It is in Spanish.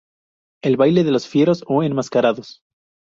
El "baile de los fieros" o enmascarados.